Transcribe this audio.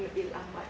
bukanlah hard forward